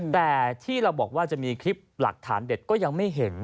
แต่ที่เราบอกว่าจะมีคลิปหลักฐานเด็ดก็ยังไม่เห็น